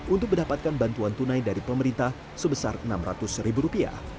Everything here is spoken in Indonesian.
untuk mendapatkan bantuan tunai dari pemerintah sebesar rp enam ratus